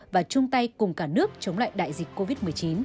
và chung tay cùng cả nước chống lại đại dịch covid một mươi chín